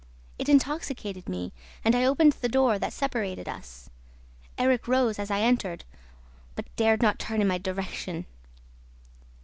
It intoxicated me; and I opened the door that separated us. Erik rose, as I entered, BUT DARED NOT TURN IN MY DIRECTION.